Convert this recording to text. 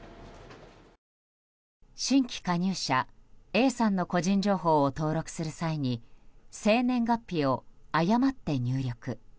新規加入者Ａさんの個人情報を登録する際に生年月日を誤って入力。